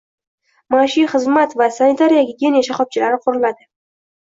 Maishiy xizmat va sanitariya-gigiyena shoxobchalari quriladi.